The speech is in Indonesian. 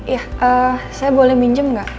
ya eh saya boleh minjem gak